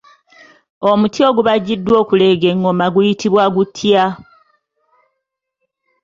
Omuti ogubajjiddwa okuleega engoma guyitibwa gutya?